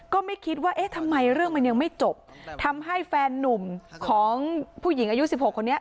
ก็ไม่คิดว่าเอ๊ะทำไมเรื่องมันยังไม่จบทำให้แฟนนุ่มของผู้หญิงอายุสิบหกคนนี้